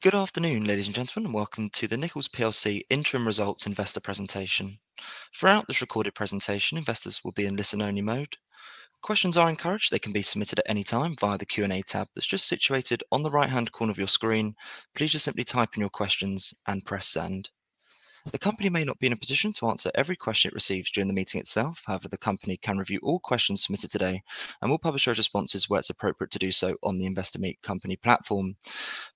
Good afternoon, ladies and gentlemen, and welcome to the Nichols plc Interim Results Investor Presentation. Throughout this recorded presentation, investors will be in listen-only mode. Questions are encouraged, they can be submitted at any time via the Q&A tab that's just situated on the right-hand corner of your screen. Please just simply type in your questions and press send. The company may not be in a position to answer every question it receives during the meeting itself. However, the company can review all questions submitted today and will publish those responses where it's appropriate to do so on the Investor Meet Company platform.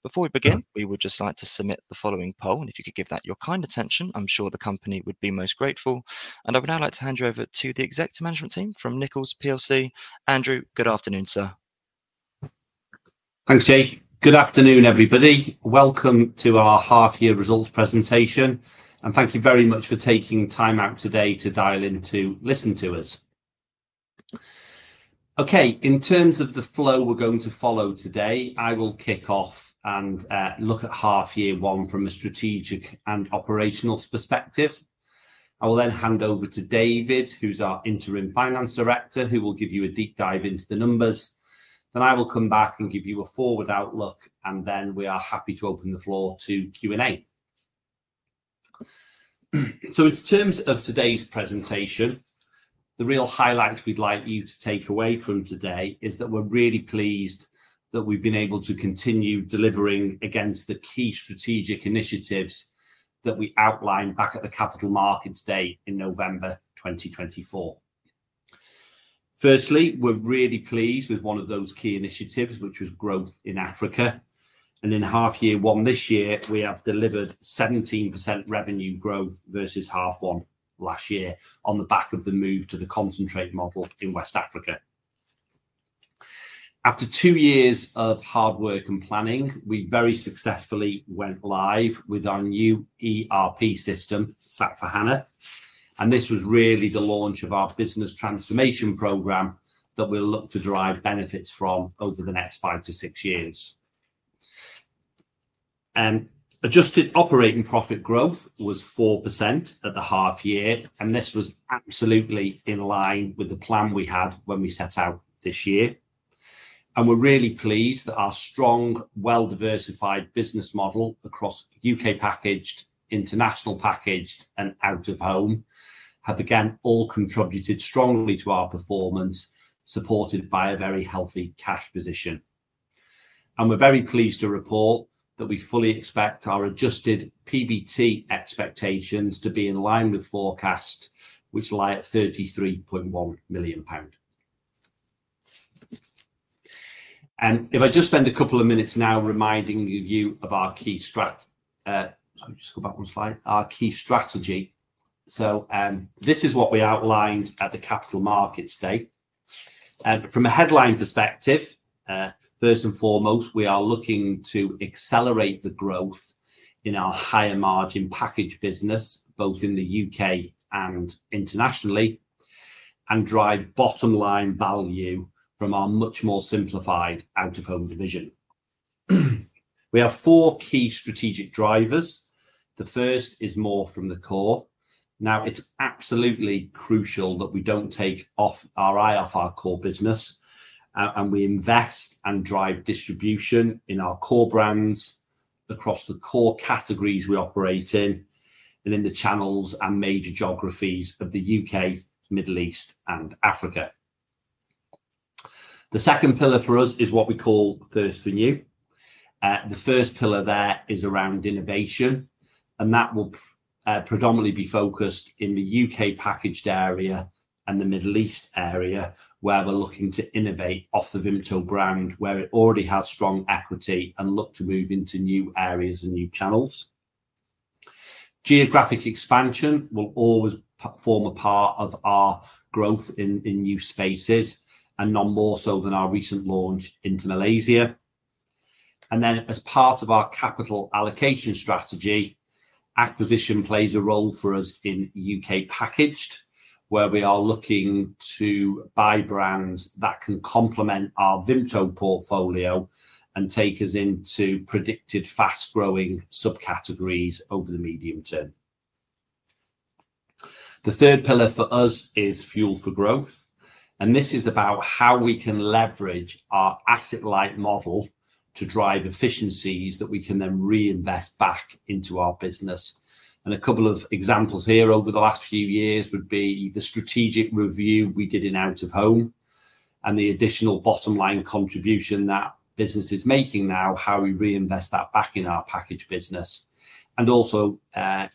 Before we begin, we would just like to submit the following poll, and if you could give that your kind attention, I'm sure the company would be most grateful. I would now like to hand you over to the Executive Management Team from Nichols plc. Andrew, good afternoon, Sir. Thanks, Jay. Good afternoon, everybody. Welcome to our half-year results presentation, and thank you very much for taking time out today to dial in to listen to us. In terms of the flow we're going to follow today, I will kick off and look at half-year one from a strategic and operational perspective. I will then hand over to David, who's our Interim Finance Director, who will give you a deep dive into the numbers. I will come back and give you a forward outlook, and we are happy to open the floor to Q&A. In terms of today's presentation, the real highlight we'd like you to take away from today is that we're really pleased that we've been able to continue delivering against the key strategic initiatives that we outlined back at the capital markets day in November 2024. Firstly, we're really pleased with one of those key initiatives, which was growth in Africa. In half-year one this year, we have delivered 17% revenue growth versus half one last year on the back of the move to the concentrate model in West Africa. After two years of hard work and planning, we very successfully went live with our new ERP system, SAP S/4HANA, and this was really the launch of our business transformation program that we'll look to derive benefits from over the next five to six years. Adjusted operating profit growth was 4% at the half-year, and this was absolutely in line with the plan we had when we set out this year. We're really pleased that our strong, well-diversified business model across U.K. packaged, international packaged, and out-of-home have again all contributed strongly to our performance, supported by a very healthy cash position. We're very pleased to report that we fully expect our adjusted PBT expectations to be in line with forecasts, which lie at 33.1 million pound. If I just spend a couple of minutes now reminding you of our key strategy, I'll just go back one slide, our key strategy. This is what we outlined at the capital markets day. From a headline perspective, first and foremost, we are looking to accelerate the growth in our higher margin package business, both in the U.K. and internationally, and drive bottom-line value from our much more simplified out-of-home division. We have four key strategic drivers. The first is more from the core. Now, it's absolutely crucial that we don't take off our IFR core business, and we invest and drive distribution in our core brands across the core categories we operate in and in the channels and major geographies of the U.K., Middle East, and Africa. The second pillar for us is what we call First Venue. The first pillar there is around innovation, and that will predominantly be focused in the U.K. packaged area and the Middle East area where we're looking to innovate off the Vimto brand, where it already has strong equity and looks to move into new areas and new channels. Geographic expansion will always form a part of our growth in new spaces, and none more so than our recent launch into Malaysia. As part of our capital allocation strategy, acquisition plays a role for us in U.K. packaged, where we are looking to buy brands that can complement our Vimto portfolio and take us into predicted fast-growing subcategories over the medium term. The third pillar for us is fuel for growth, and this is about how we can leverage our asset-light model to drive efficiencies that we can then reinvest back into our business. A couple of examples here over the last few years would be the strategic review we did in out-of-home and the additional bottom-line contribution that business is making now, how we reinvest that back in our packaged business. Also,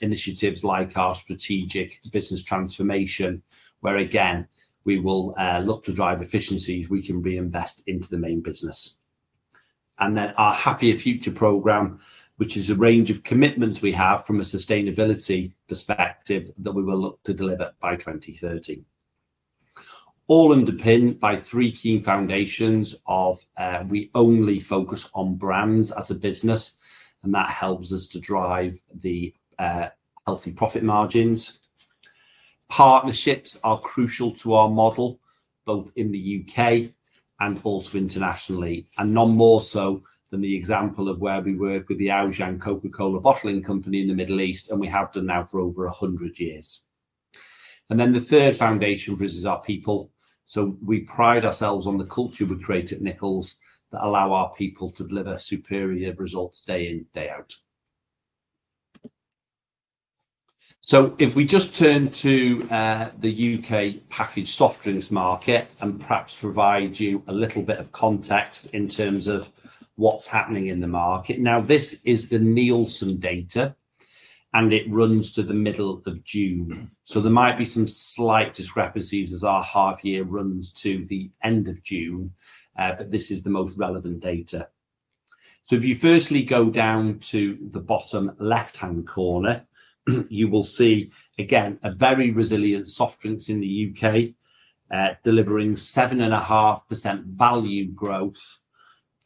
initiatives like our strategic business transformation, where again we will look to drive efficiencies we can reinvest into the main business. Our Happier Future program is a range of commitments we have from a sustainability perspective that we will look to deliver by 2030. All underpinned by three key foundations. We only focus on brands as a business, and that helps us to drive the healthy profit margins. Partnerships are crucial to our model, both in the U.K. and also internationally, and none more so than the example of where we work with the Aujan Coca-Cola bottling company in the Middle East, and we have done that for over 100 years. The third foundation for us is our people. We pride ourselves on the culture we create at Nichols that allows our people to deliver superior results day in, day out. If we just turn to the U.K. packaged soft drinks market and perhaps provide you a little bit of context in terms of what's happening in the market. This is the Nielsen data, and it runs to the middle of June. There might be some slight discrepancies as our half-year runs to the end of June, but this is the most relevant data. If you firstly go down to the bottom left-hand corner, you will see again a very resilient soft drinks in the U.K. delivering 7.5% value growth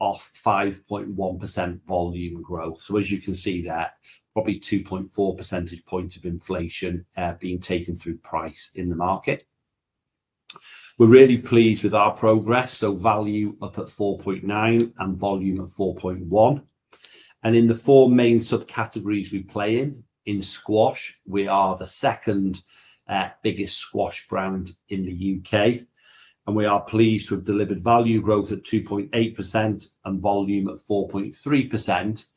off 5.1% volume growth. As you can see, that's probably 2.4 percentage points of inflation being taken through price in the market. We're really pleased with our progress, so value up at 4.9% and volume at 4.1%. In the four main subcategories we play in, in squash, we are the second biggest squash brand in the U.K., and we are pleased to have delivered value growth at 2.8% and volume at 4.3%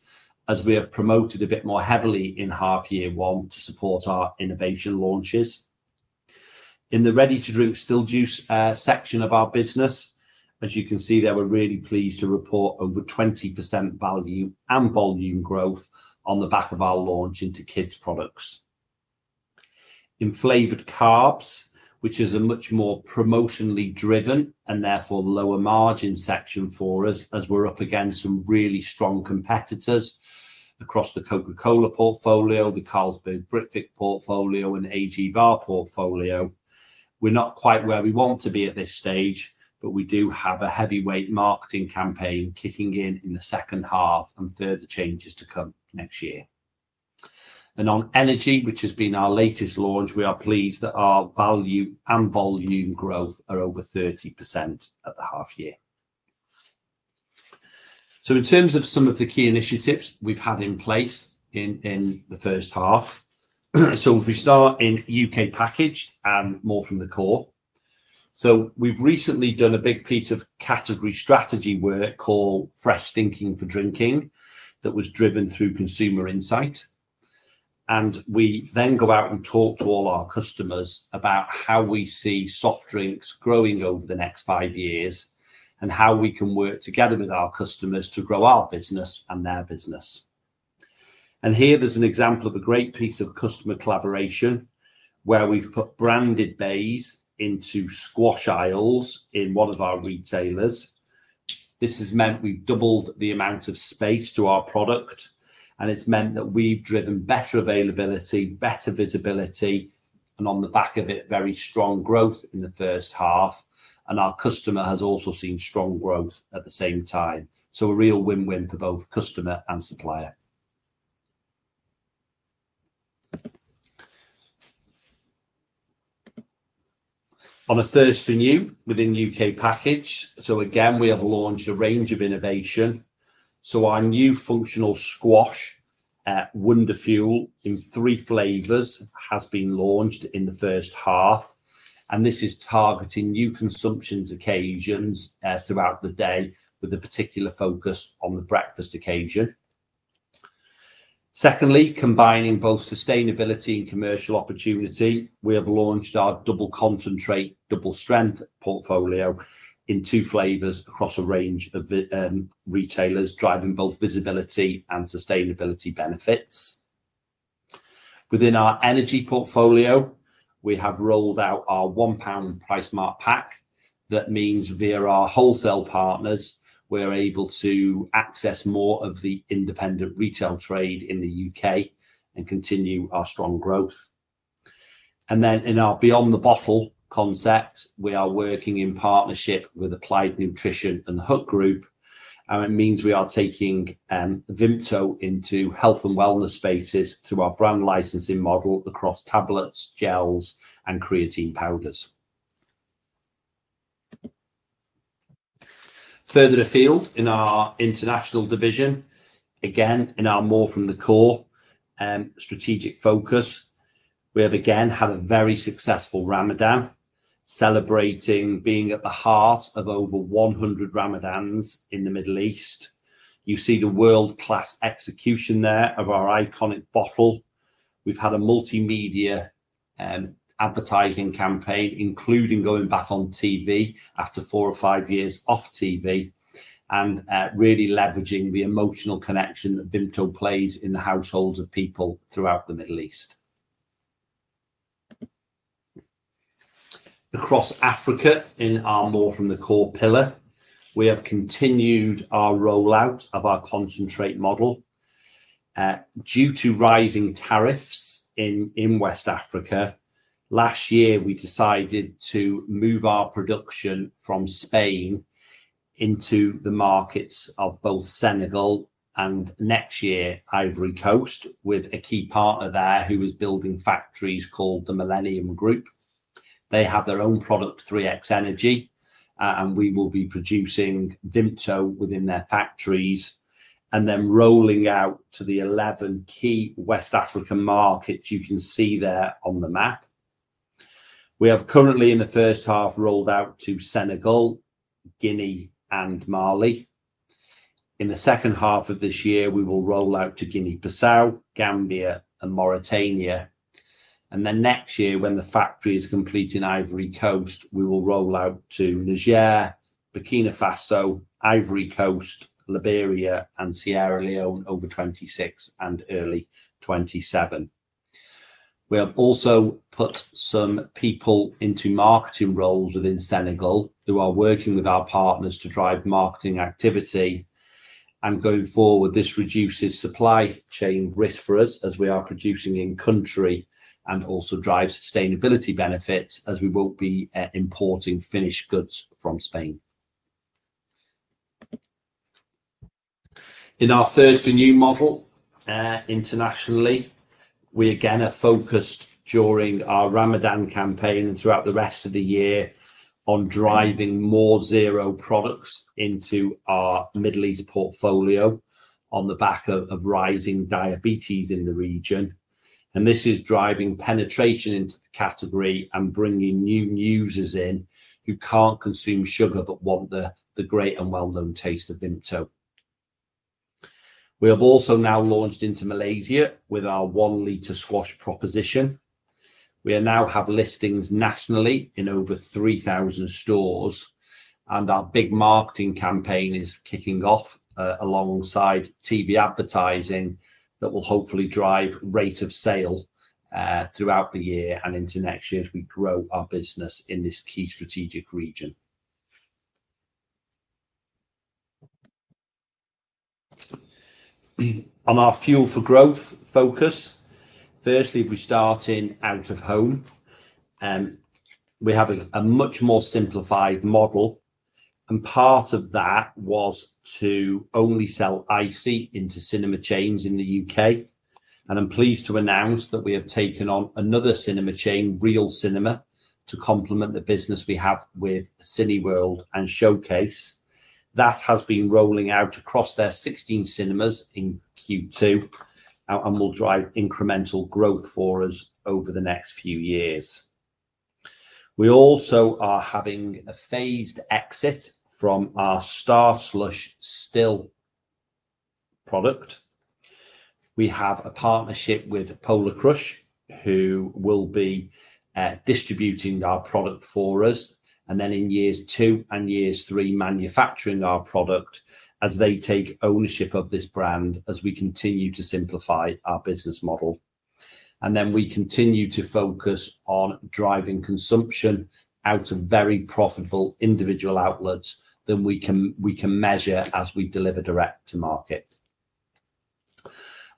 as we have promoted a bit more heavily in half-year one to support our innovation launches. In the ready-to-drink still juice section of our business, as you can see, we're really pleased to report over 20% value and volume growth on the back of our launch into kids' products. In flavored carbs, which is a much more promotionally driven and therefore lower margin section for us as we're up against some really strong competitors across the Coca-Cola portfolio, the Carlsberg Britvic portfolio, and AG Barr portfolio. We're not quite where we want to be at this stage, but we do have a heavyweight marketing campaign kicking in in the second half and further changes to come next year. On energy, which has been our latest launch, we are pleased that our value and volume growth are over 30% at the half-year. In terms of some of the key initiatives we've had in place in the first half, if we start in U.K. packaged and more from the core. We've recently done a big piece of category strategy work called Fresh Thinking for Drinking that was driven through consumer insight. We then go out and talk to all our customers about how we see soft drinks growing over the next five years and how we can work together with our customers to grow our business and their business. Here there's an example of a great piece of customer collaboration where we've put branded bays into squash aisles in one of our retailers. This has meant we've doubled the amount of space to our product, and it's meant that we've driven better availability, better visibility, and on the back of it, very strong growth in the first half. Our customer has also seen strong growth at the same time. A real win-win for both customer and supplier. On a first venue within U.K. package, we have launched a range of innovation. Our new functional squash, Wonderfuel, in three flavors has been launched in the first half. This is targeting new consumption occasions throughout the day with a particular focus on the breakfast occasion. Secondly, combining both sustainability and commercial opportunity, we have launched our Double Concentrate, double-strength portfolio in two flavors across a range of retailers, driving both visibility and sustainability benefits. Within our energy portfolio, we have rolled out our 1 pound price mark pack. That means via our wholesale partners, we are able to access more of the independent retail trade in the UK and continue our strong growth. In our Beyond the Bottle concept, we are working in partnership with Applied Nutrition and the HUC Group. This means we are taking Vimto into health and wellness spaces through our brand licensing model across tablets, gels, and creatine powders. Further to feel in our international division, again in our more from the core strategic focus, we have again had a very successful Ramadan, celebrating being at the heart of over 100 Ramadans in the Middle East. You see the world-class execution there of our iconic bottle. We have had a multimedia advertising campaign, including going back on TV after four or five years off TV, and really leveraging the emotional connection that Vimto plays in the households of people throughout the Middle East. Across Africa, in our more from the core pillar, we have continued our rollout of our concentrate model. Due to rising tariffs in West Africa, last year we decided to move our production from Spain into the markets of both Senegal and next year, Ivory Coast, with a key partner there who is building factories called the Millennium Group. They have their own product, 3X Energy, and we will be producing Vimto within their factories and then rolling out to the 11 key West African markets you can see there on the map. We have currently in the first half rolled out to Senegal, Guinea, and Mali. In the second half of this year, we will roll out to Guinea-Bissau, Gambia, and Mauritania. Next year, when the factory is complete in Ivory Coast, we will roll out to Niger, Burkina Faso, Ivory Coast, Liberia, and Sierra Leone over 2026 and early 2027. We have also put some people into marketing roles within Senegal who are working with our partners to drive marketing activity. Going forward, this reduces supply chain risk for us as we are producing in country and also drives sustainability benefits as we won't be importing finished goods from Spain. In our third venue model internationally, we again are focused during our Ramadan campaign and throughout the rest of the year on driving more Zero products into our Middle East portfolio on the back of rising diabetes in the region. This is driving penetration into the category and bringing new users in who can't consume sugar but want the great and well-known taste of Vimto. We have also now launched into Malaysia with our one-liter squash proposition. We now have listings nationally in over 3,000 stores, and our big marketing campaign is kicking off alongside TV advertising that will hopefully drive rate of sale throughout the year and into next year as we grow our business in this key strategic region. On our fuel for growth focus, firstly, if we start in out-of-home, we have a much more simplified model. Part of that was to only sell ICEE into cinema chains in the U.K. I'm pleased to announce that we have taken on another cinema chain, Reel Cinemas, to complement the business we have with Cineworld and Showcase. That has been rolling out across their 16 cinemas in Q2 and will drive incremental growth for us over the next few years. We also are having a phased exit from our Starslush still product. We have a partnership with Polar Crush, who will be distributing our product for us, and then in years two and three, manufacturing our product as they take ownership of this brand as we continue to simplify our business model. We continue to focus on driving consumption out of very profitable individual outlets that we can measure as we deliver direct to market.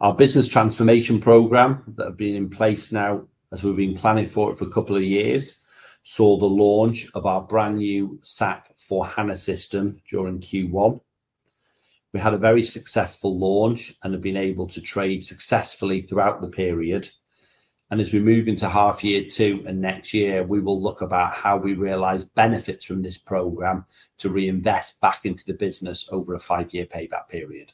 Our business transformation program that has been in place now as we've been planning for it for a couple of years saw the launch of our brand new SAP S/4HANA system during Q1. We had a very successful launch and have been able to trade successfully throughout the period. As we move into half year two and next year, we will look at how we realize benefits from this program to reinvest back into the business over a five-year payback period.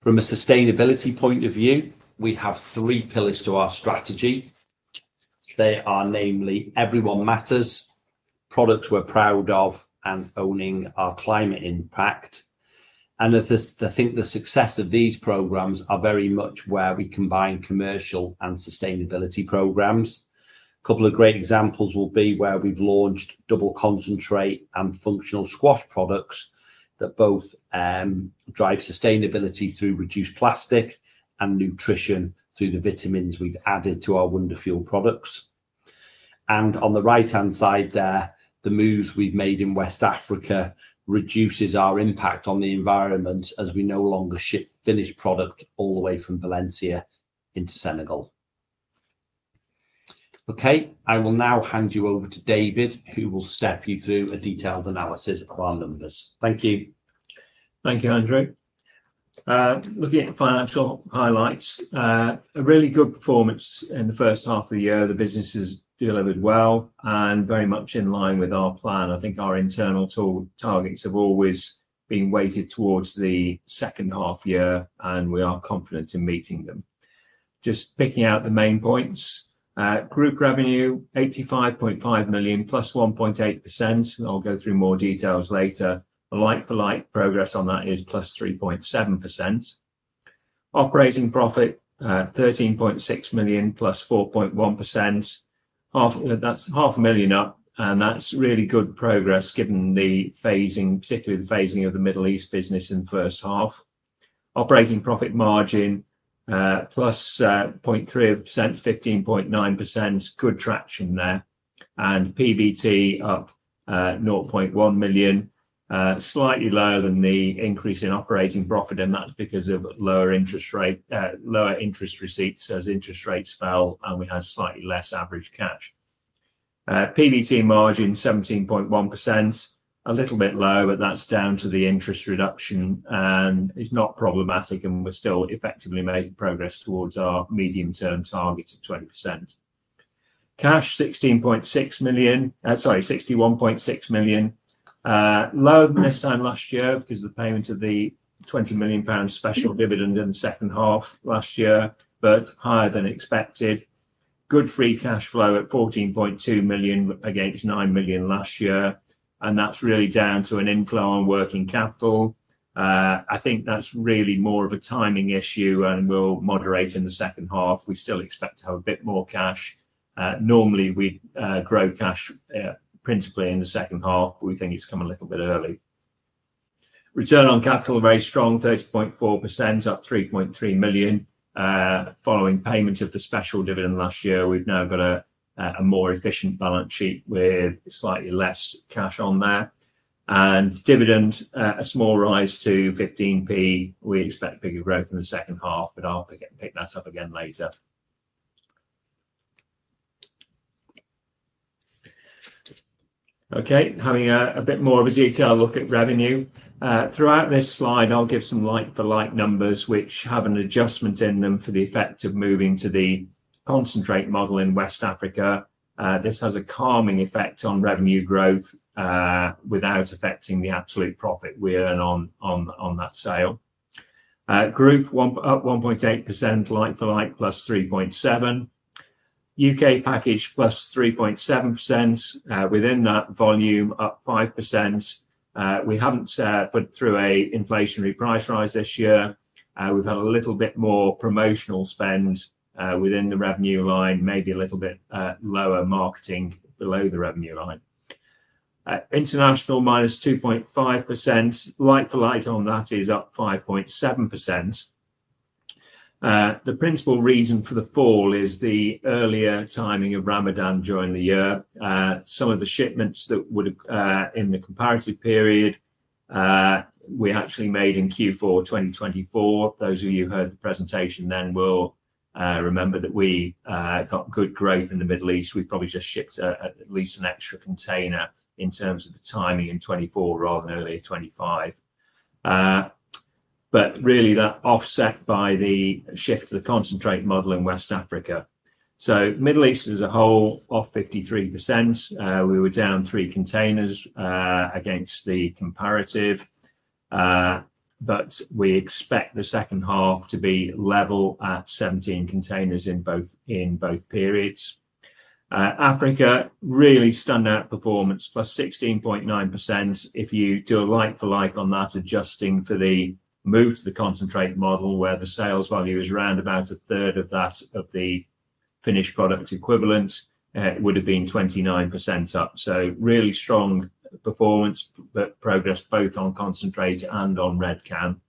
From a sustainability point of view, we have three pillars to our strategy. They are namely everyone matters, products we're proud of, and owning our climate impact. The success of these programs is very much where we combine commercial and sustainability programs. A couple of great examples will be where we've launched Double Concentrate and functional squash products that both drive sustainability through reduced plastic and nutrition through the vitamins we've added to our Wonderfuel products. On the right-hand side there, the moves we've made in West Africa reduce our impact on the environment as we no longer ship finished product all the way from Valencia into Senegal. I will now hand you over to David, who will step you through a detailed analysis of our numbers. Thank you. Thank you, Andrew. Looking at financial highlights, a really good performance in the first half of the year. The business has delivered well and very much in line with our plan. I think our internal targets have always been weighted towards the second half year, and we are confident in meeting them. Just picking out the main points: group revenue 85.5 million, +1.8%. I'll go through more details later. A like-for-like progress on that is +3.7%. Operating profit 13.6 million, +4.1%. That's half a million up, and that's really good progress given the phasing, particularly the phasing of the Middle East business in the first half. Operating profit margin +0.3%, 15.9%. Good traction there. PBT up 1 million, slightly lower than the increase in operating profit, and that's because of lower interest receipts as interest rates fell and we had slightly less average cash. PBT margin 17.1%, a little bit low, but that's down to the interest reduction and is not problematic, and we're still effectively making progress towards our medium-term target of 20%. Cash 61.6 million, lower than this time last year because of the payment of the 20 million pound special dividend in the second half last year, but higher than expected. Good free cash flow at 14.2 million against 9 million last year, and that's really down to an inflow on working capital. I think that's really more of a timing issue, and will moderate in the second half. We still expect to have a bit more cash. Normally, we grow cash principally in the second half, but we think it's come a little bit early. Return on capital very strong, 30.4%, up 3.3 million. Following payment of the special dividend last year, we've now got a more efficient balance sheet with slightly less cash on that. Dividend, a small rise to 0.15. We expect bigger growth in the second half, but I'll pick that up again later. Okay, having a bit more of a detailed look at revenue. Throughout this slide, I'll give some like for like numbers, which have an adjustment in them for the effect of moving to the concentrate model in West Africa. This has a calming effect on revenue growth without affecting the absolute profit we earn on that sale. Group 1.8%, like-for-like +3.7%. U.K. package plus 3.7%. Within that, volume up 5%. We haven't put through an inflationary price rise this year. We've had a little bit more promotional spend within the revenue line, maybe a little bit lower marketing below the revenue line. International -2.5%. Like-for-like on that is up 5.7%. The principal reason for the fall is the earlier timing of Ramadan during the year. Some of the shipments that would have in the comparative period, we actually made in Q4 2024. Those of you who heard the presentation then will remember that we got good growth in the Middle East. We probably just shipped at least an extra container in terms of the timing in 2024 rather than earlier 2025. That is really offset by the shift to the concentrate model in West Africa. Middle East as a whole, off 53%. We were down three containers against the comparative, but we expect the second half to be level at 17 containers in both periods. Africa really stunned that performance +16.9%. If you do a like-for-like on that, adjusting for the move to the concentrate model where the sales volume is around about a third of that of the finished product equivalent, it would have been 29% up. Really strong performance, but progress both on concentrate and on red can.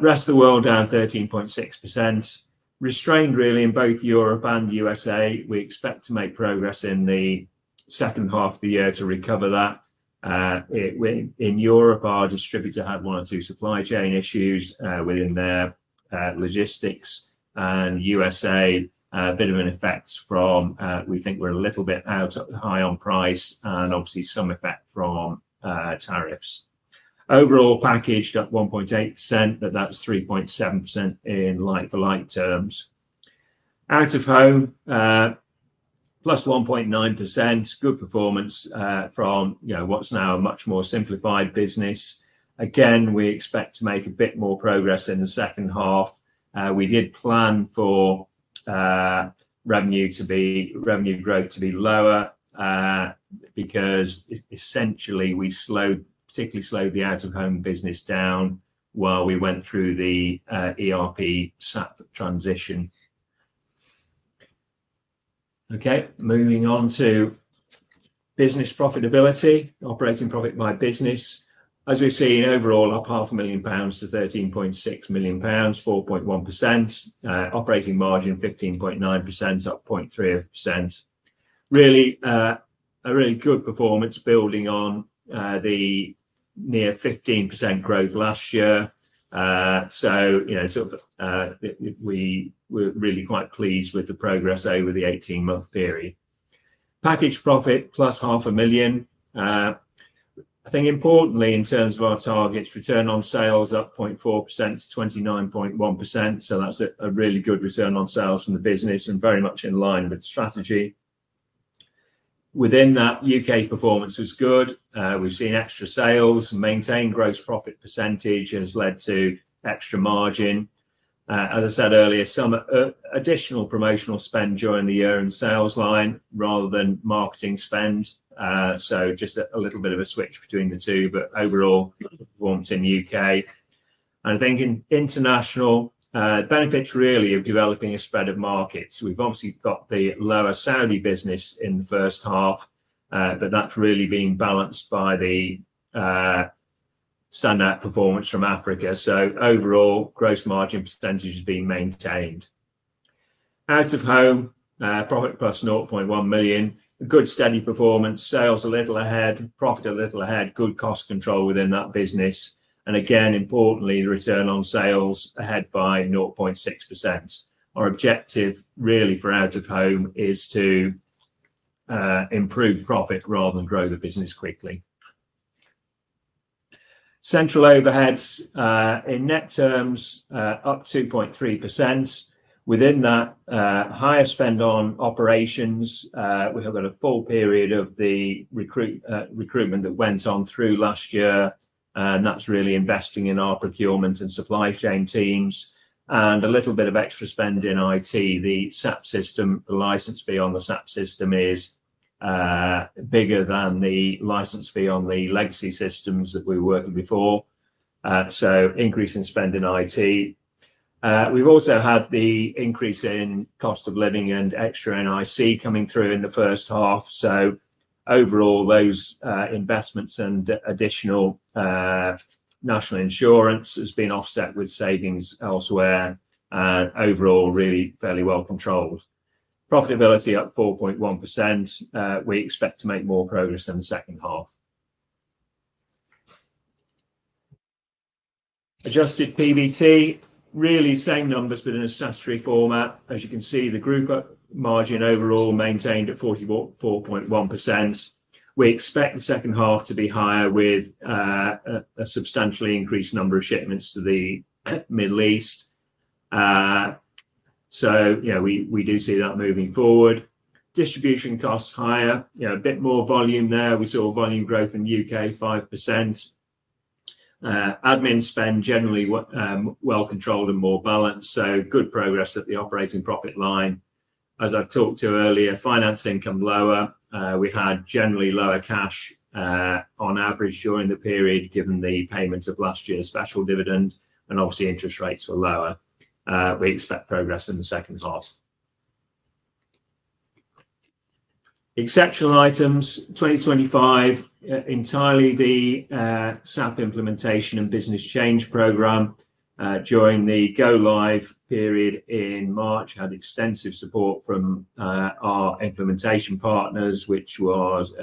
Rest of the world down 13.6%. Restrained really in both Europe and the U.S.A. We expect to make progress in the second half of the year to recover that. In Europe, our distributor had one or two supply chain issues within their logistics, and the U.S., a bit of an effect from we think we're a little bit out high on price and obviously some effect from tariffs. Overall packaged up 1.8%, but that's 3.7% in like-for-like terms. Out of home, +1.9%. Good performance from what's now a much more simplified business. We expect to make a bit more progress in the second half. We did plan for revenue growth to be lower because essentially we slowed, particularly slowed the out-of-home business down while we went through the ERP SAP transition. Okay, moving on to business profitability, operating profit by business. As we see in overall, up half a million pounds to 13.6 million pounds, 4.1%. Operating margin 15.9%, up 0.3%. Really a really good performance building on the near 15% growth last year. We were really quite pleased with the progress over the 18-month period. Package profit +. I think importantly in terms of our targets, return on sales up 0.4% to 29.1%. That's a really good return on sales from the business and very much in line with the strategy. Within that, U.K. performance was good. We've seen extra sales, maintained gross profit percentage has led to extra margin. As I said earlier, some additional promotional spend during the year in the sales line rather than marketing spend. Just a little bit of a switch between the two, but overall warmth in the U.K. I think in international benefits really of developing a spread of markets. We've obviously got the lower Saudi business in the first half, but that's really being balanced by the standard performance from Africa. Overall, gross margin percentage has been maintained. Out-of-home, profit +$0.1 million. Good steady performance. Sales a little ahead, profit a little ahead, good cost control within that business. Importantly, the return on sales ahead by 0.6%. Our objective really for out-of-home is to improve profit rather than grow the business quickly. Central overheads in net terms up 2.3%. Within that, higher spend on operations. We have got a full period of the recruitment that went on through last year, and that's really investing in our procurement and supply chain teams. A little bit of extra spend in IT. The SAP S/4HANA system, the license fee on the SAP S/4HANA system is bigger than the license fee on the legacy systems that we worked on before. Increase in spend in IT. We've also had the increase in cost of living and extra NIC coming through in the first half. Overall, those investments and additional national insurance have been offset with savings elsewhere. Overall, really fairly well controlled. Profitability up 4.1%. We expect to make more progress in the second half. Adjusted PBT, really same numbers but in a statutory format. As you can see, the group margin overall maintained at 44.1%. We expect the second half to be higher with a substantially increased number of shipments to the Middle East. We do see that moving forward. Distribution costs higher, a bit more volume there. We saw volume growth in the U.K., 5%. Admin spend generally well controlled and more balanced. Good progress at the operating profit line. As I've talked to earlier, finance income lower. We had generally lower cash on average during the period given the payment of last year's special dividend, and obviously interest rates were lower. We expect progress in the second half. Exceptional items, 2025, entirely the SAP S/4HANA implementation and business change program. During the go live period in March, we had extensive support from our implementation partners, which was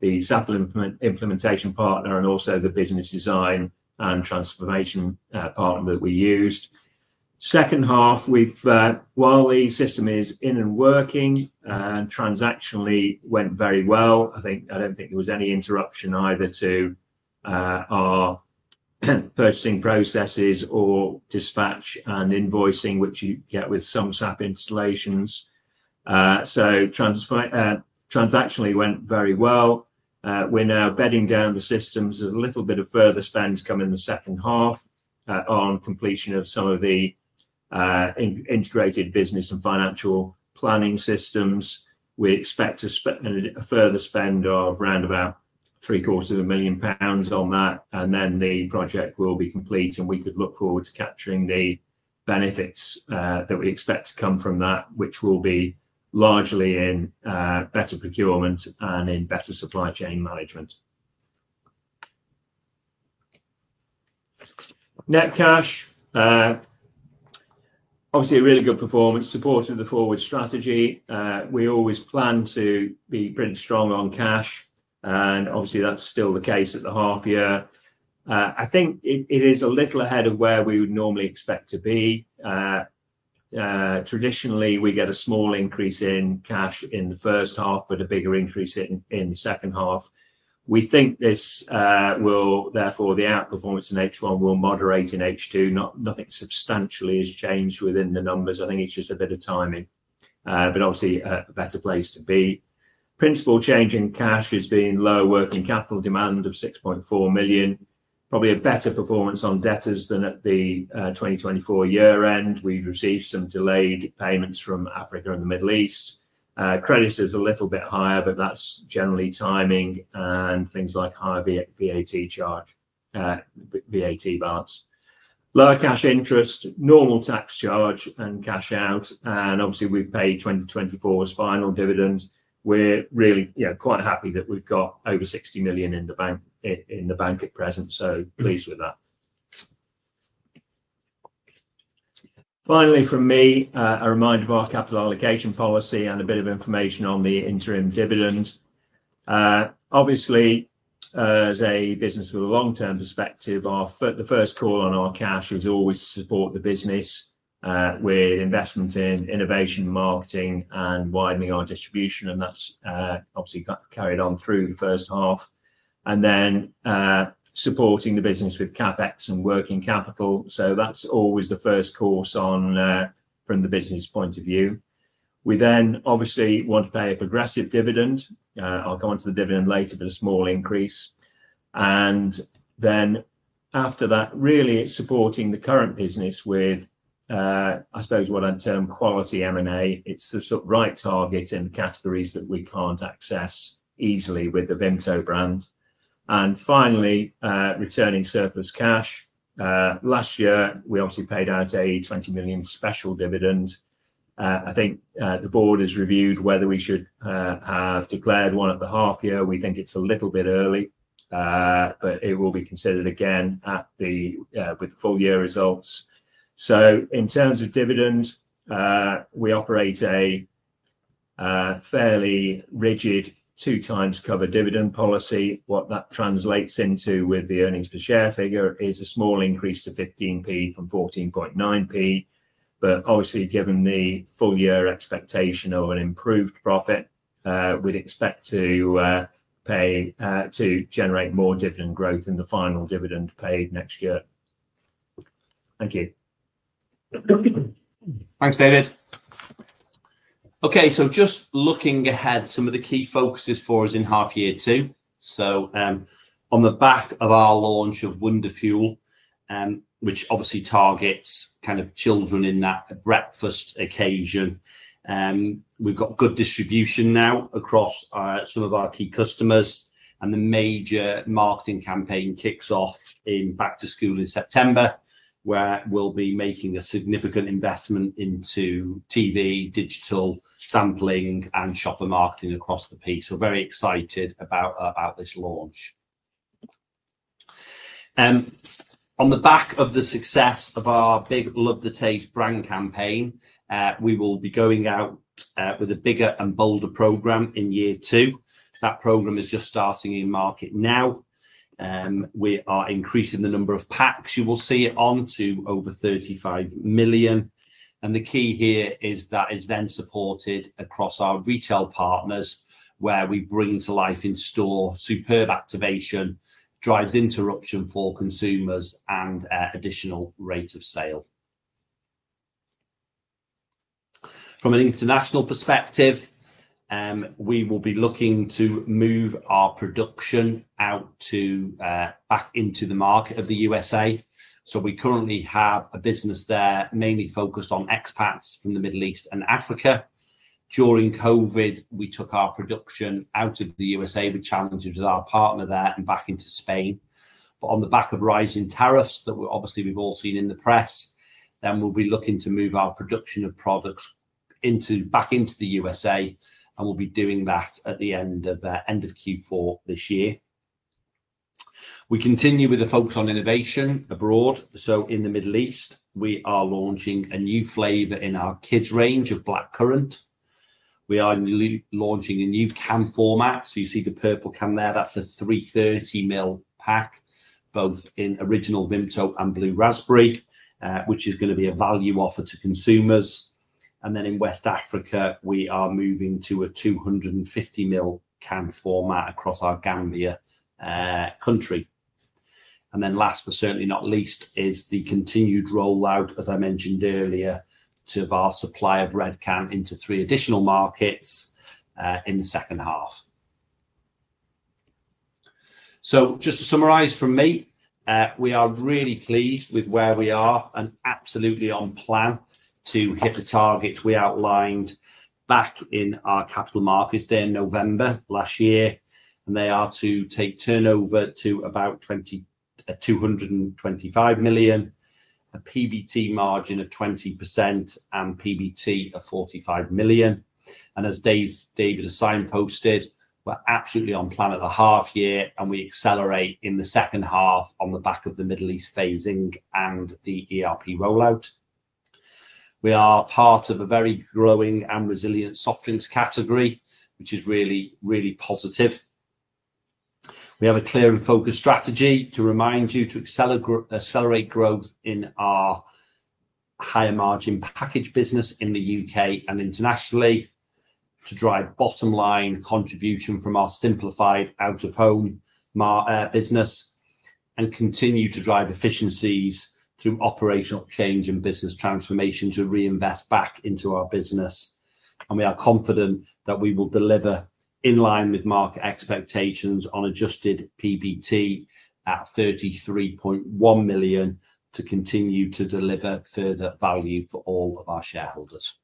the SAP implementation partner and also the business design and transformation partner that we used. Second half, while the system is in and working and transactionally went very well, I don't think there was any interruption either to our purchasing processes or dispatch and invoicing, which you get with some SAP installations. Transactionally went very well. We're now bedding down the systems as a little bit of further spend come in the second half on completion of some of the integrated business and financial planning systems. We expect to spend a further spend of around about 750,000 million pounds on that, and then the project will be complete, and we could look forward to capturing the benefits that we expect to come from that, which will be largely in better procurement and in better supply chain management. Net cash, obviously a really good performance supported the forward strategy. We always plan to be pretty strong on cash, and obviously that's still the case at the half year. I think it is a little ahead of where we would normally expect to be. Traditionally, we get a small increase in cash in the first half, but a bigger increase in the second half. We think this will therefore the outperformance in H1 will moderate in H2. Nothing substantially has changed within the numbers. I think it's just a bit of timing, but obviously a better place to be. Principal change in cash has been low working capital demand of 6.4 million. Probably a better performance on debtors than at the 2024 year end. We've received some delayed payments from Africa and the Middle East. Credit is a little bit higher, but that's generally timing and things like high VAT charge, VAT balance. Lower cash interest, normal tax charge and cash out, and obviously we've paid 2024's final dividend. We're really quite happy that we've got over 60 million in the bank at present, so pleased with that. Finally, for me, a reminder of our capital allocation policy and a bit of information on the interim dividend. Obviously, as a business with a long-term perspective, the first call on our cash is always to support the business with investments in innovation, marketing, and widening our distribution, and that's obviously carried on through the first half. Then supporting the business with CapEx and working capital. That's always the first course on from the business point of view. We then obviously want to pay a progressive dividend. I'll go on to the dividend later, but a small increase. After that, really it's supporting the current business with, I suppose what I'd term quality M&A. It's the right target in the categories that we can't access easily with the Vimto brand. Finally, returning surplus cash. Last year, we obviously paid out a 20 million special dividend. I think the board has reviewed whether we should have declared one at the half year. We think it's a little bit early, but it will be considered again with full-year results. In terms of dividend, we operate a fairly rigid two-times covered dividend policy. What that translates into with the earnings per share figure is a small increase to 0.15 from 0.149. Obviously, given the full year expectation of an improved profit, we'd expect to pay to generate more dividend growth in the final dividend paid next year. Thank you. Thanks, David. Okay, just looking ahead, some of the key focuses for us in half-year two. On the back of our launch of Wonderfuel, which obviously targets kind of children in that breakfast occasion, we've got good distribution now across some of our key customers. The major marketing campaign kicks off in back to school in September, where we'll be making a significant investment into TV, digital, sampling, and shopper marketing across the piece. We're very excited about this launch. On the back of the success of our Vimto Love the Taste brand campaign, we will be going out with a bigger and bolder program in year two. That program is just starting in market now. We are increasing the number of packs. You will see it on to over 35 million. The key here is that it's then supported across our retail partners, where we bring to life in store superb activation, drives interruption for consumers, and additional rate of sale. From an international perspective, we will be looking to move our production out to back into the market of the U.S.A. We currently have a business there mainly focused on expats from the Middle East and Africa. During COVID, we took our production out of the U.S.A., which challenges our partner there, and back into Spain. On the back of rising tariffs that obviously we've all seen in the press, we'll be looking to move our production of products back into the U.S.A., and we'll be doing that at the end of Q4 this year. We continue with a focus on innovation abroad. In the Middle East, we are launching a new flavor in our kids range of Blackcurrant. We are launching a new can format. You see the purple can there, that's a 330 ml pack, both in original Vimto and Blue Raspberry, which is going to be a value offer to consumers. In West Africa, we are moving to a 250 ml can format across our Gambia country. Last but certainly not least is the continued rollout, as I mentioned earlier, to our supply of Red Can into three additional markets in the second half. Just to summarize for me, we are really pleased with where we are and absolutely on plan to hit the targets we outlined back in our capital markets day in November last year. They are to take turnover to about £225 million, a PBT margin of 20%, and PBT of £45 million. As David has signposted, we're absolutely on plan at the half year, and we accelerate in the second half on the back of the Middle East phasing and the ERP rollout. We are part of a very growing and resilient soft drinks category, which is really, really positive. We have a clear and focused strategy to remind you to accelerate growth in our higher margin packaged business in the U.K. and internationally, to drive bottom line contribution from our simplified out-of-home business, and continue to drive efficiencies through operational change and business transformation to reinvest back into our business. We are confident that we will deliver in line with market expectations on adjusted PBT at 33.1 million to continue to deliver further value for all of our shareholders.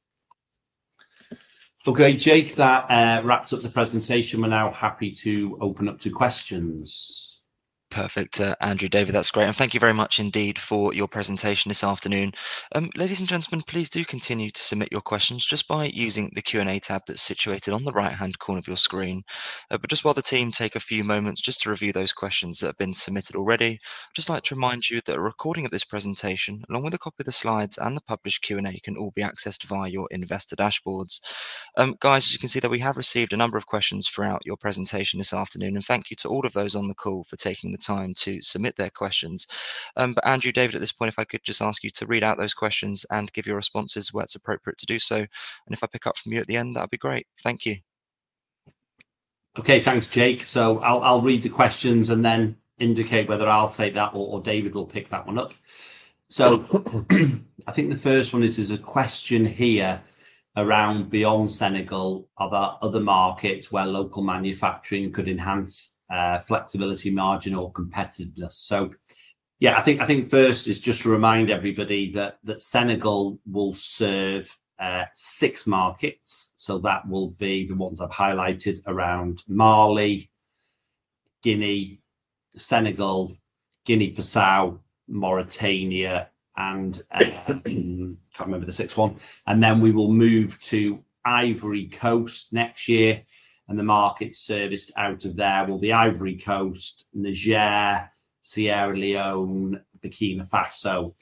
Okay, Jake, that wraps up the presentation. We're now happy to open up to questions. Perfect, Andrew, David, that's great. Thank you very much indeed for your presentation this afternoon. Ladies and gentlemen, please do continue to submit your questions just by using the Q&A tab that's situated on the right-hand corner of your screen. While the team take a few moments to review those questions that have been submitted already, I'd just like to remind you that a recording of this presentation, along with a copy of the slides and the published Q&A, can all be accessed via your investor dashboards. You can see that we have received a number of questions throughout your presentation this afternoon, and thank you to all of those on the call for taking the time to submit their questions. Andrew, David, at this point, if I could just ask you to read out those questions and give your responses where it's appropriate to do so. If I pick up from you at the end, that'd be great. Thank you. Okay, thanks, Jake. I'll read the questions and then indicate whether I'll say that or David will pick that one up. I think the first one is a question here around beyond Senegal about other markets where local manufacturing could enhance flexibility, margin, or competitiveness. First, just to remind everybody that Senegal will serve six markets. That will be the ones I've highlighted around Mali, Guinea, Senegal, Guinea-Bissau, Mauritania, and I can't remember the sixth one. We will move to Ivory Coast next year, and the markets serviced out of there will be Ivory Coast, Niger, Sierra Leone, Burkina Faso.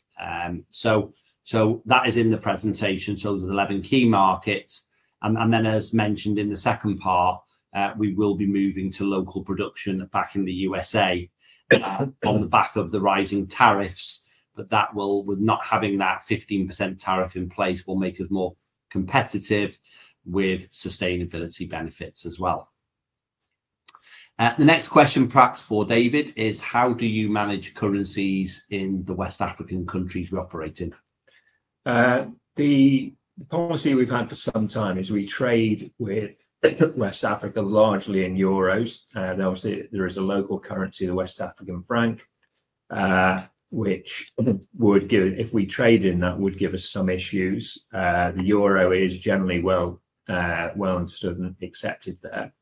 That is in the presentation, so there's 11 key markets. As mentioned in the second part, we will be moving to local production back in the U.S. on the back of the rising tariffs. With not having that 15% tariff in place, it will make us more competitive with sustainability benefits as well. The next question, perhaps for David, is how do you manage currencies in the West African countries we operate in? The policy we've had for some time is we trade with West Africa largely in euros. Obviously, there is a local currency, the West African franc, which would give, if we trade in that, would give us some issues. The euro is generally well understood and accepted there.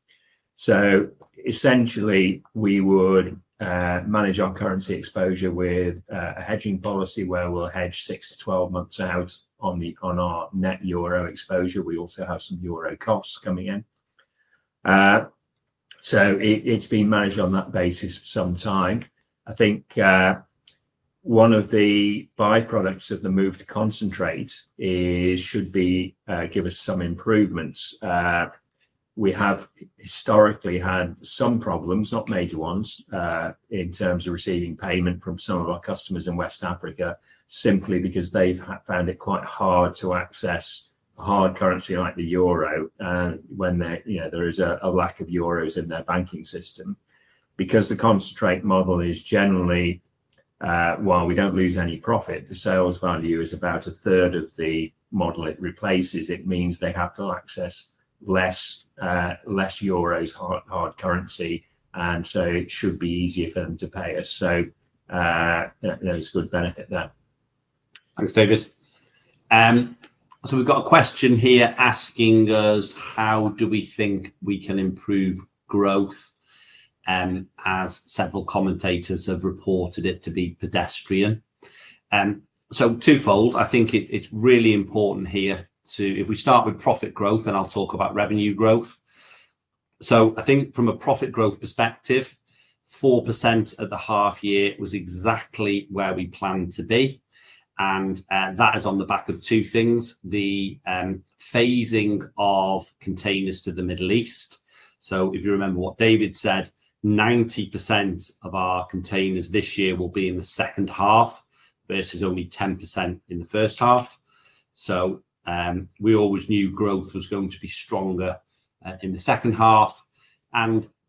Essentially, we would manage our currency exposure with a hedging policy where we'll hedge six to 12 months out on our net euro exposure. We also have some euro costs coming in. It's been managed on that basis for some time. I think one of the byproducts of the move to concentrate should be to give us some improvements. We have historically had some problems, not major ones, in terms of receiving payment from some of our customers in West Africa simply because they've found it quite hard to access hard currency like the euro when there is a lack of euros in their banking system. Because the concentrate model is generally, while we don't lose any profit, the sales value is about a third of the model it replaces. It means they have to access less euros, hard currency, and so it should be easier for them to pay us. There's good benefit there. Thanks, David. We have a question here asking us how we think we can improve growth as several commentators have reported it to be pedestrian. Twofold, I think it's really important here to, if we start with profit growth, and I'll talk about revenue growth. I think from a profit growth perspective, 4% at the half year was exactly where we planned to be. That is on the back of two things. The phasing of containers to the Middle East. If you remember what David said, 90% of our containers this year will be in the second half versus only 10% in the first half. We always knew growth was going to be stronger in the second half.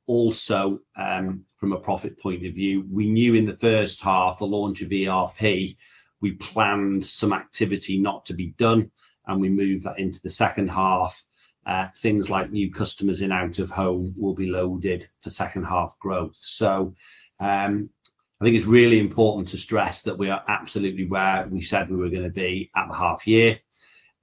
Also, from a profit point of view, we knew in the first half, the launch of ERP, we planned some activity not to be done, and we moved that into the second half. Things like new customers in out-of-home will be loaded for second half growth. I think it's really important to stress that we are absolutely where we said we were going to be at the half-year.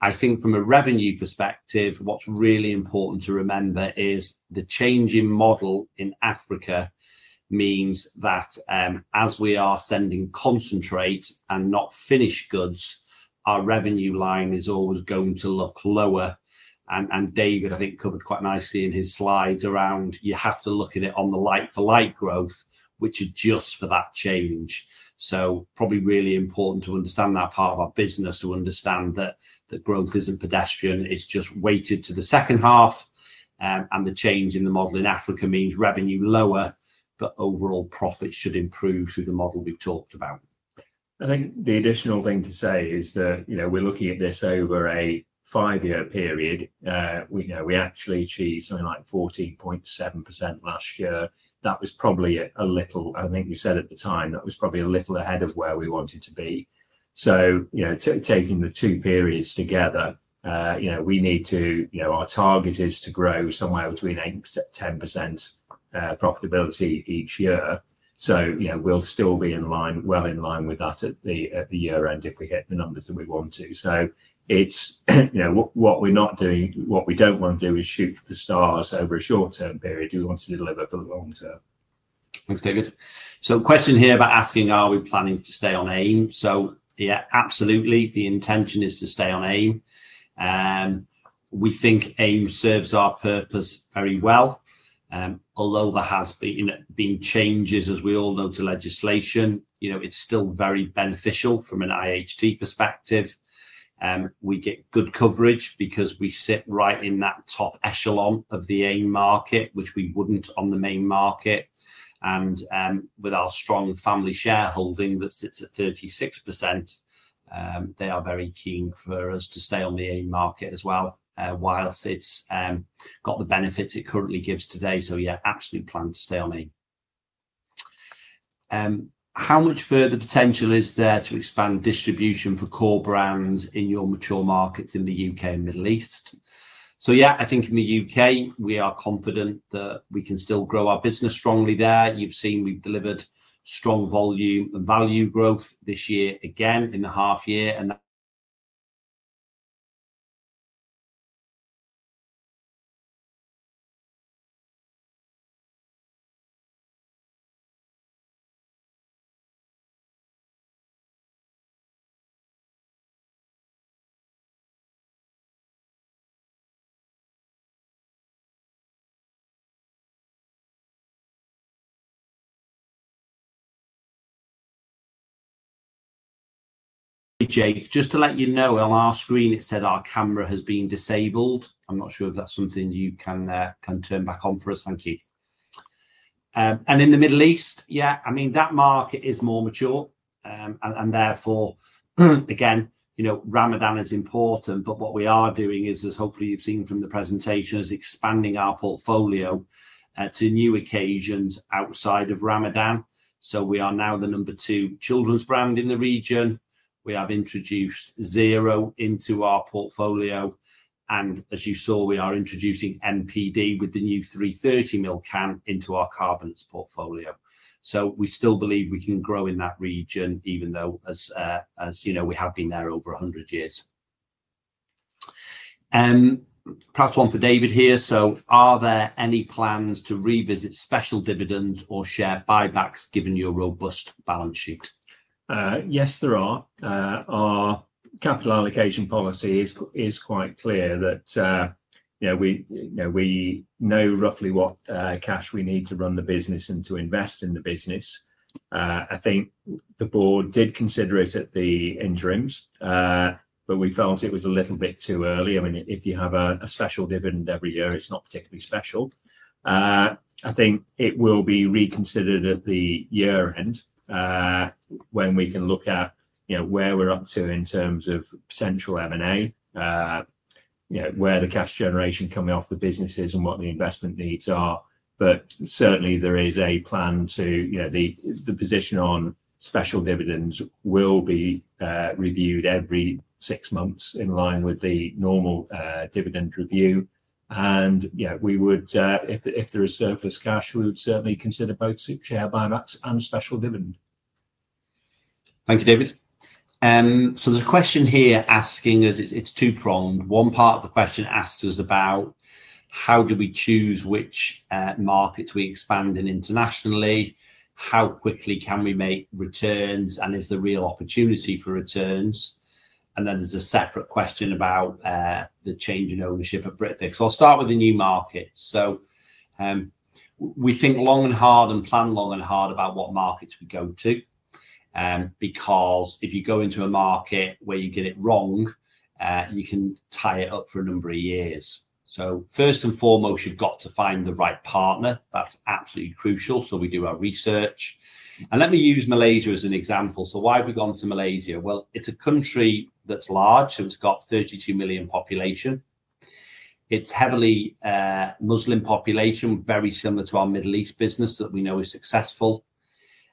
I think from a revenue perspective, what's really important to remember is the changing model in Africa means that as we are sending concentrate and not finished goods, our revenue line is always going to look lower. David, I think, covered quite nicely in his slides around you have to look at it on the like-for-like growth, which is just for that change. Probably really important to understand that part of our business, to understand that that growth isn't pedestrian. It's just weighted to the second half. The change in the model in Africa means revenue-lower, but overall profits should improve through the model we've talked about. I think the additional thing to say is that, you know, we're looking at this over a five-year period. We know we actually achieved something like 14.7% last year. That was probably a little, I think we said at the time, that was probably a little ahead of where we wanted to be. Taking the two periods together, you know, we need to, you know, our target is to grow somewhere between 8%-10% profitability each year. We'll still be in line, well in line with that at the year end if we hit the numbers that we want to. What we're not doing, what we don't want to do is shoot for the stars over a short-term period. We want to deliver for the long term. Thanks, David. The question here is about asking, are we planning to stay on AIM? Yeah, absolutely, the intention is to stay on AIM. We think AIM serves our purpose very well. Although there have been changes, as we all know, to legislation, it's still very beneficial from an IHT perspective. We get good coverage because we sit right in that top echelon of the AIM market, which we wouldn't on the main market. With our strong family shareholding that sits at 36%, they are very keen for us to stay on the AIM market as well, while it's got the benefits it currently gives today. Yeah, absolute plan to stay on AIM. How much further potential is there to expand distribution for core brands in your mature markets in the U.K. and Middle East? Yeah, I think in the U.K., we are confident that we can still grow our business strongly there. You've seen we've delivered strong volume and value growth this year again in the half year. Jake, just to let you know, on our screen, it said our camera has been disabled. I'm not sure if that's something you can turn back on for us. Thank you. In the Middle East, that market is more mature. Therefore, again, you know, Ramadan is important, but what we are doing is, as hopefully you've seen from the presentation, expanding our portfolio to new occasions outside of Ramadan. We are now the number two children's brand in the region. We have introduced Zero into our portfolio. As you saw, we are introducing NPD with the new 330 ml can into our carbonates portfolio. We still believe we can grow in that region, even though, as you know, we have been there over 100 years. Perhaps one for David here. Are there any plans to revisit special dividends or share buybacks given your robust balance sheets? Yes, there are. Our capital allocation policy is quite clear that, you know, we know roughly what cash we need to run the business and to invest in the business. I think the Board did consider it at the interims, but we felt it was a little bit too early. I mean, if you have a special dividend every year, it's not particularly special. I think it will be reconsidered at the year end when we can look at, you know, where we're up to in terms of central M&A, you know, where the cash generation coming off the businesses is and what the investment needs are. There is a plan to, you know, the position on special dividends will be reviewed every six months in line with the normal dividend review. If there is surplus cash, we would certainly consider both share buybacks and special dividends. Thank you, David. There's a question here asking that it's two-pronged. One part of the question asks us about how do we choose which markets we expand in internationally, how quickly can we make returns, and is there real opportunity for returns. There's a separate question about the change in ownership of Britvic. I'll start with the new markets. We think long and hard and plan long and hard about what markets we go to because if you go into a market where you get it wrong, you can tie it up for a number of years. First and foremost, you've got to find the right partner. That's absolutely crucial. We do our research. Let me use Malaysia as an example. Why have we gone to Malaysia? It's a country that's large, so it's got 32 million population. It's heavily Muslim population, very similar to our Middle East business that we know is successful.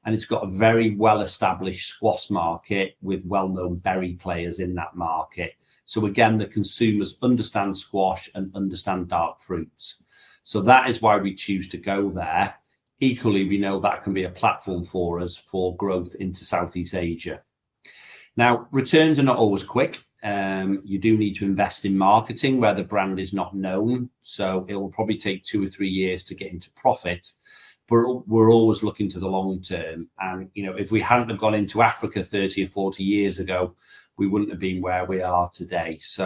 It's got a very well-established squash market with well-known berry players in that market. The consumers understand squash and understand dark fruits. That is why we choose to go there. Equally, we know that can be a platform for us for growth into Southeast Asia. Returns are not always quick. You do need to invest in marketing where the brand is not known. It will probably take two or three years to get into profit. We're always looking to the long term. If we hadn't gone into Africa 30 or 40 years ago, we wouldn't have been where we are today. It's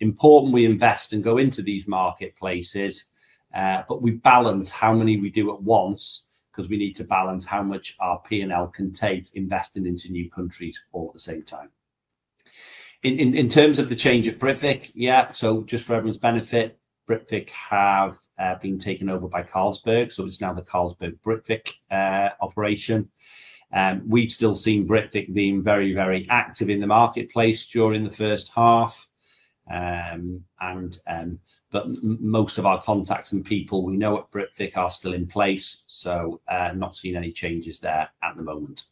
important we invest and go into these marketplaces, but we balance how many we do at once because we need to balance how much our P&L can take investing into new countries at the same time. In terms of the change at Britvic, just for everyone's benefit, Britvic has been taken over by Carlsberg. It's now the Carlsberg Britvic operation. We've still seen Britvic being very, very active in the marketplace during the first half. Most of our contacts and people we know at Britvic are still in place. I've not seen any changes there at the moment.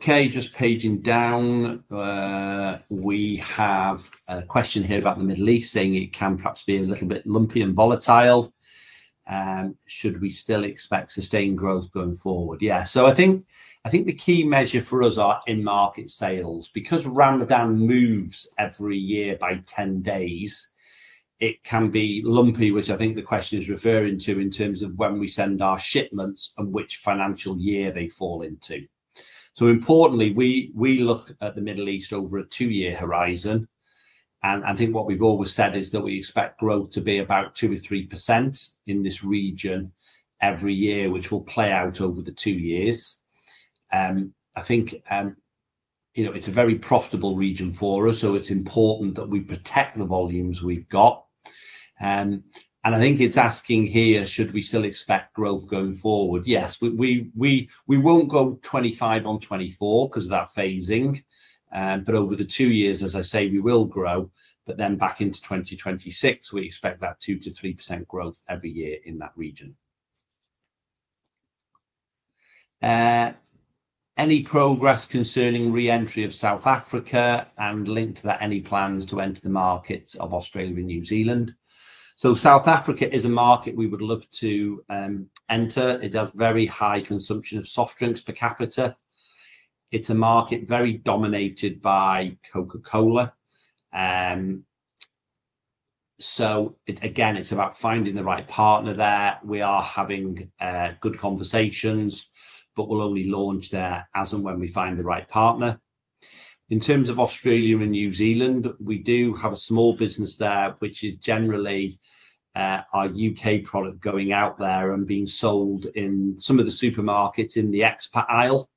Paging down. We have a question here about the Middle East saying it can perhaps be a little bit lumpy and volatile. Should we still expect sustained growth going forward? I think the key measure for us are in market sales. Because Ramadan moves every year by 10 days, it can be lumpy, which I think the question is referring to in terms of when we send our shipments and which financial year they fall into. Importantly, we look at the Middle East over a two-year horizon. I think what we've always said is that we expect growth to be about 2%-3% in this region every year, which will play out over the two years. I think it's a very profitable region for us. It's important that we protect the volumes we've got. I think it's asking here, should we still expect growth going forward? Yes, we won't go 2025 on 24 because of that phasing. Over the two years, as I say, we will grow. Back into 2026, we expect that 2%-3% growth every year in that region. Any progress concerning reentry of South Africa and linked to that, any plans to enter the markets of Australia and New Zealand? South Africa is a market we would love to enter. It does very high consumption of soft drinks per capita. It's a market very dominated by Coca-Cola. It's about finding the right partner there. We are having good conversations, but we'll only launch there as and when we find the right partner. In terms of Australia and New Zealand, we do have a small business there, which is generally our U.K. product going out there and being sold in some of the supermarkets in the export aisle.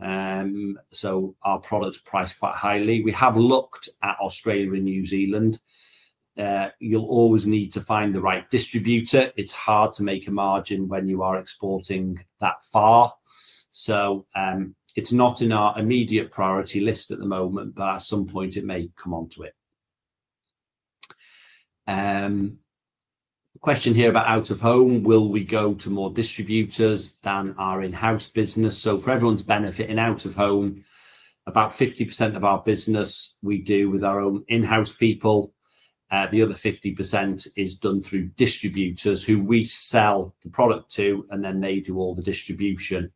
Our product is priced quite highly. We have looked at Australia and New Zealand. You'll always need to find the right distributor. It's hard to make a margin when you are exporting that far. It's not in our immediate priority list at the moment, but at some point it may come onto it. Question here about out-of-home. Will we go to more distributors than our in-house business? For everyone's benefit, in out-of-home, about 50% of our business we do with our own in-house people. The other 50% is done through distributors who we sell the product to, and then they do all the distribution.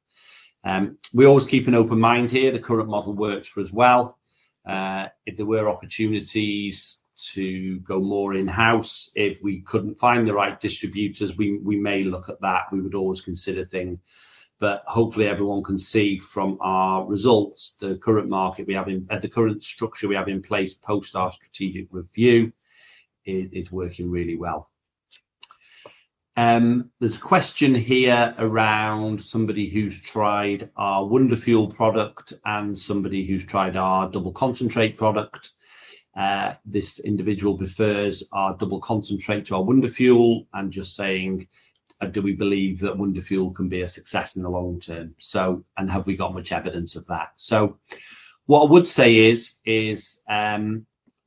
We always keep an open mind here. The current model works for us well. If there were opportunities to go more in-house, if we couldn't find the right distributors, we may look at that. We would always consider things. Hopefully everyone can see from our results the current market we have in the current structure we have in place post our strategic review. It is working really well. There's a question here around somebody who's tried our Wonderfuel product and somebody who's tried our Double Concentrate product. This individual prefers our Double Concentrate to our Wonderfuel and just saying, do we believe that Wonderfuel can be a success in the long term? Do we have much evidence of that? What I would say is,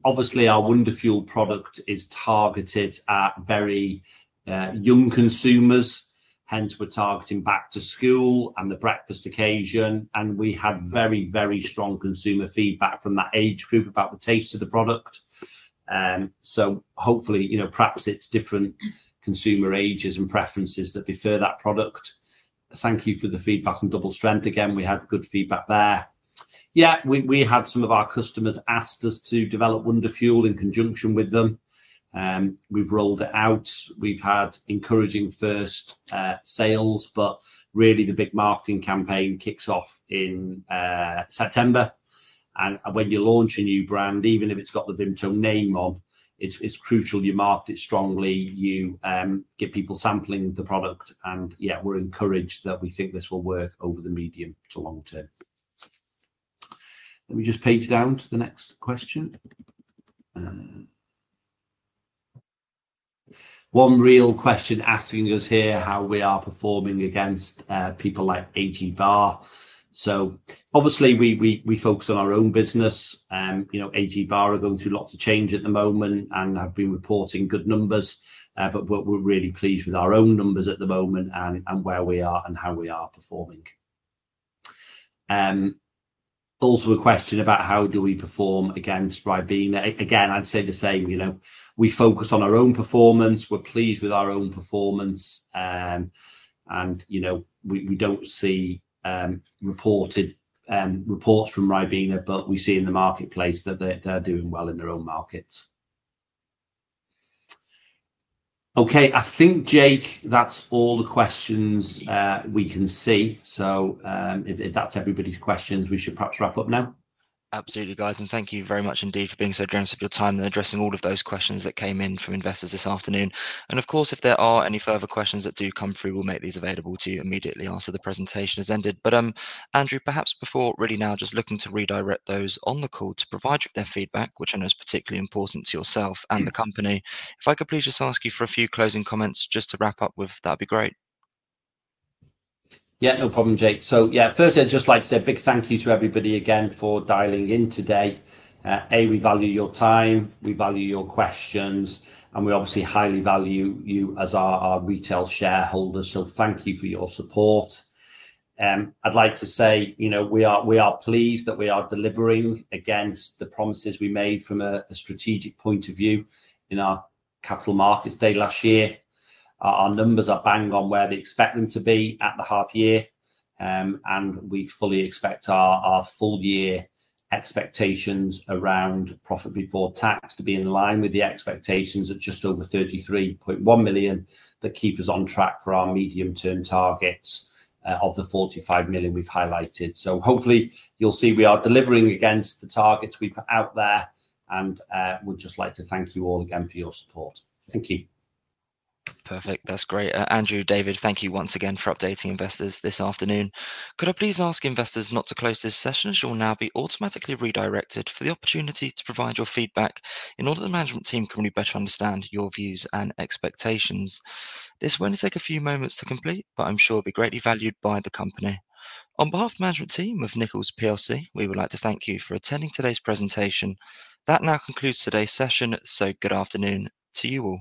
obviously our Wonder Fuel product is targeted at very young consumers. Hence, we're targeting back to school and the breakfast occasion. We had very, very strong consumer feedback from that age group about the taste of the product. Hopefully, perhaps it's different consumer ages and preferences that prefer that product. Thank you for the feedback on Double Strength. Again, we had good feedback there. We had some of our customers ask us to develop Wonder Fuel in conjunction with them. We've rolled it out. We've had encouraging first sales, but really the big marketing campaign kicks off in September. When you launch a new brand, even if it's got the Vimto name on, it's crucial you market it strongly, you get people sampling the product. We're encouraged that we think this will work over the medium to long term. Let me just page down to the next question. One real question asking us here how we are performing against people like AG Barr. Obviously, we focus on our own business. AG Barr are going through lots of change at the moment, and have been reporting good numbers, but we're really pleased with our own numbers at the moment and where we are and how we are performing. Also a question about how do we perform against Ribena. Again, I'd say the same. We focus on our own performance. We're pleased with our own performance. We don't see reported reports from Ribena, but we see in the marketplace that they're doing well in their own markets. I think, Jake, that's all the questions we can see. If that's everybody's questions, we should perhaps wrap up now. Absolutely, guys. Thank you very much indeed for being so generous of your time and addressing all of those questions that came in from investors this afternoon. If there are any further questions that do come through, we'll make these available to you immediately after the presentation has ended. Andrew, perhaps before really now, just looking to redirect those on the call to provide their feedback, which I know is particularly important to yourself and the company. If I could please just ask you for a few closing comments just to wrap up with, that'd be great. Yeah, no problem, Jake. First, I'd just like to say a big thank you to everybody again for dialing in today. We value your time, we value your questions, and we obviously highly value you as our retail shareholders. Thank you for your support. I'd like to say we are pleased that we are delivering against the promises we made from a strategic point of view in our capital markets day last year. Our numbers are bang on where they expect them to be at the half year. We fully expect our full year expectations around profit before tax to be in line with the expectations at just over 33.1 million that keep us on track for our medium term targets of the 45 million we've highlighted. Hopefully you'll see we are delivering against the targets we put out there. We'd just like to thank you all again for your support. Thank you. Perfect. That's great. Andrew, David, thank you once again for updating investors this afternoon. Could I please ask investors not to close this session as you'll now be automatically redirected for the opportunity to provide your feedback in order for the management team to better understand your views and expectations? This will only take a few moments to complete, but I'm sure it'll be greatly valued by the company. On behalf of the management team of Nichols plc, we would like to thank you for attending today's presentation. That now concludes today's session. Good afternoon to you all.